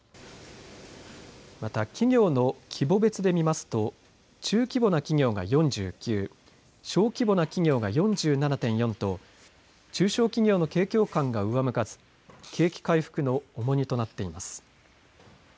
また企業の規模別で見ますと中規模な企業が４９、小規模な企業が４７．４と中小企業の景況感が上向かず景気回復の重荷となっています。